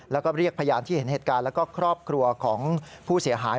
แล้วก็เรียกพยานที่เห็นเหตุการณ์แล้วก็ครอบครัวของผู้เสียหาย